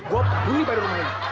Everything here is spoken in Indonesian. gue bunyi pada rumah ini